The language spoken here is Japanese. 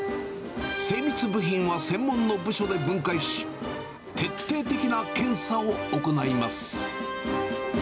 精密部品は専門の部署で分解し、徹底的な検査を行います。